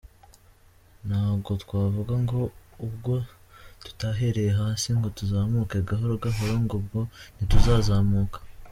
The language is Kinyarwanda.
Ntago twavuga ngo ubwo tutahereye hasi ngo tuzamuke gahoro gahoro, ngo ubwo ntituzazamuka.